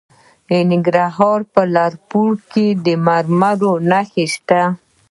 د ننګرهار په لعل پورې کې د مرمرو نښې شته.